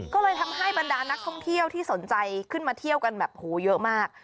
ก็เลยทำให้บรรดานักท่องเที่ยวที่สนใจขึ้นมาเที่ยวกันแบบโหเยอะมาก